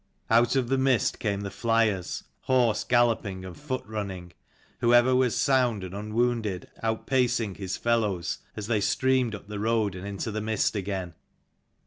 Out of the mist came the flyers, horse galloping and foot running; whoever was sound and unwounded outpacing his fellows, as they streamed up the road and into the mist again.